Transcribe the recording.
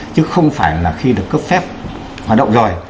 chứ không phải là khi được cấp phép hoạt động rồi